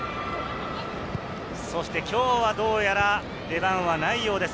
そしてきょうはどうやら出番はないようです。